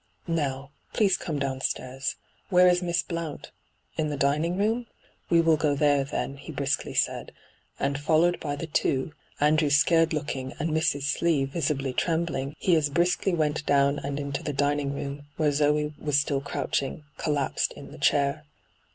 ' Now, please come downstairs. Where is Miss Blount ? In the dining room ? We will go there, then,' he briskly said ; and, followed by the two, Andrew scared looking and Mrs. Slee visibly trembling, he as briskly went down and into the dining room, where Zoe was still crouching, collapsed, iu tiie chair.